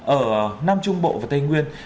ở nam trung bộ và tây nguyên